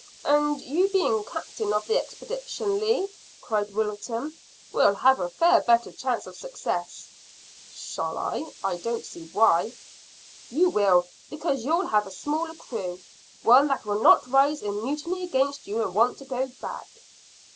"And you being captain of the expedition, Lee," cried Wilton, "will have a far better chance of success." "Shall I? I don't see why." "You will, because you'll have a smaller crew, one that will not rise in mutiny against you and want to go back."